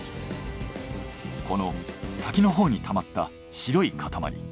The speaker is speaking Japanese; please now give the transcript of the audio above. この先のほうに溜まった白い塊。